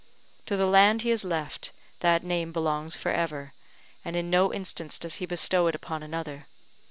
To the land he has left, that name belongs for ever, and in no instance does he bestow it upon another.